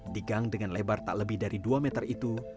digang dengan lebar tak lebih dari dua meter itu